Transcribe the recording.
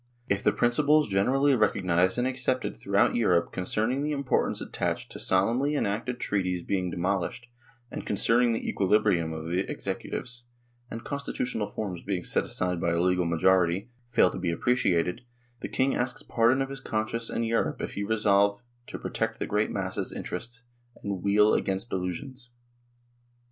If the principles generally recognised and accepted throughout Europe concerning the importance attached to solemnly enacted treaties being demolished, and concerning the equilibrium of the executives and constitutional forms being set aside by a legal majority, fail to be appreciated, the king asks pardon of his conscience and Europe if he resolve to protect the great masses' interests and weal against delusions."